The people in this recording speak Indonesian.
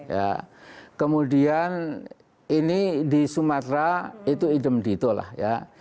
ya kemudian ini di sumatera itu idem dito lah ya